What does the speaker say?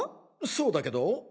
そうだけど？